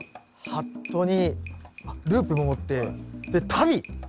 ハットにルーペも持って足袋！